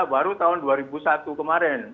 baru tahun dua ribu satu kemarin